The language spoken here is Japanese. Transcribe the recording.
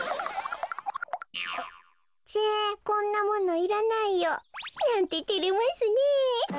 「ちぇこんなものいらないよ」なんててれますねえ。